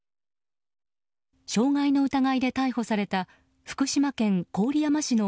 傷害の疑いで逮捕された福島県郡山市の